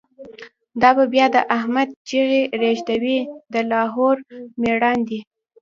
دا به بیا د« احمد» چیغی، ریږدوی د لاهور مړاندی